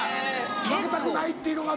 負けたくないっていうのが。